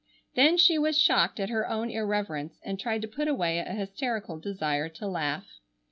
Then she was shocked at her own irreverence and tried to put away a hysterical desire to laugh.